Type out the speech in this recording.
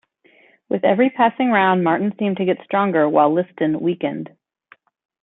With every passing round Martin seemed to get stronger while Liston weakened.